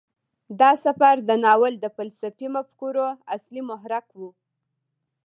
دا سفر د ناول د فلسفي مفکورو اصلي محرک و.